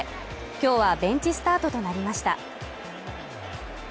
今日はベンチスタートとなりました